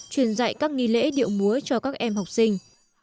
truyền dạy các nghi lễ điệu múa cho các em học sinh